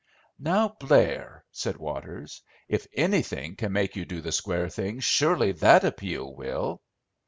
"Now, Blair," said Waters, "if anything can make you do the square thing surely that appeal will."